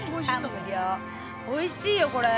おいしいよ。